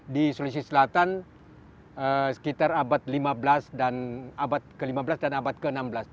di sulawesi selatan sekitar abad ke lima belas dan abad ke enam belas